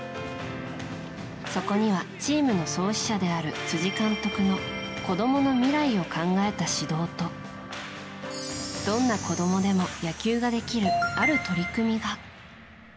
そこにはチームの創始者である辻監督の子供の未来を考えた指導とどんな子供でも野球ができるある取り組みが。